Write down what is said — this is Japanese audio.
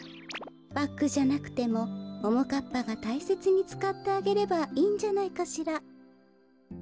バッグじゃなくてもももかっぱがたいせつにつかってあげればいいんじゃないかしら。